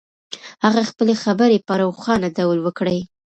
هغه خپلې خبرې په روښانه ډول وکړې.